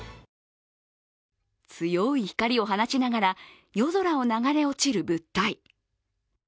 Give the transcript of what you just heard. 強い光を放ちながら夜空を流れ落ちる物体。